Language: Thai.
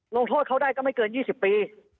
ลงโทษโทษเขาก็ได้ไม่เกิน๒๐ปี